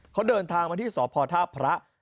เขาเดินทางมาที่สพท่าพระ